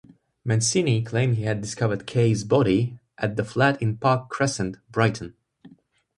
Mancini claimed he had discovered Kaye's body at the flat in Park Crescent, Brighton.